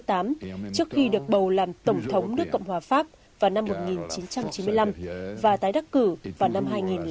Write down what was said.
trước khi được bầu làm tổng thống nước cộng hòa pháp vào năm một nghìn chín trăm chín mươi năm và tái đắc cử vào năm hai nghìn hai mươi